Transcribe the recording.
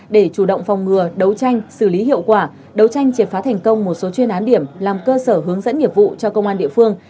để chủ động phòng ngừa đấu tranh xử lý hiệu quả đấu tranh triệt phá thành công một số chuyên án điểm làm cơ sở hướng dẫn nghiệp vụ cho công an địa phương